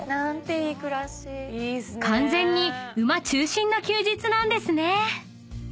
［完全に馬中心の休日なんですね］